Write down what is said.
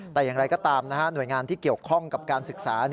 แต่อย่างไรก็ตามหน่วยงานที่เกี่ยวข้องกับการศึกษา